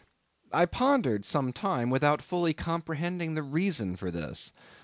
I pondered some time without fully comprehending the reason for this.